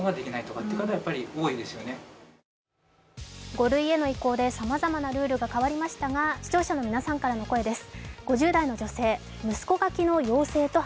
５類への移行でさまざまなルールが変わりましたが視聴者の皆さんからの声です。